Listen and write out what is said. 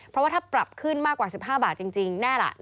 เพราะว่าถ้าปรับขึ้นมากกว่า๑๕บาทจริงแน่ล่ะ